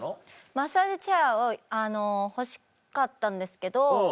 マッサージチェアを欲しかったんですけど。